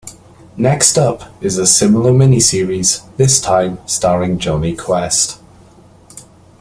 Next up is a similar mini-series, this time starring Jonny Quest.